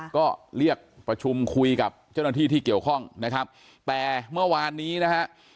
ก็เรียกประชุมคุยกับเจ้าหน้าที่ที่เกี่ยวข้องนะครับแต่เมื่อวานนี้นะฮะ